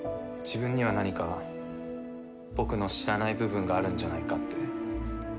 自分には何か僕の知らない部分があるんじゃないかって。